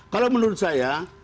kalau menurut saya